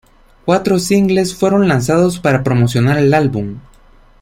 Cuatro singles fueron lanzados para promocionar el álbum.